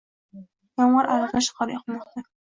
Yomg'ir aralash qor yog'moqda